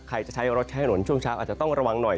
ใครจะใช้รถใช้ถนนช่วงเช้าอาจจะต้องระวังหน่อย